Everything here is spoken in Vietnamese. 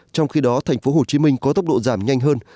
trong khi đó thành phố hồ chí minh có tốc độ giảm nhanh hơn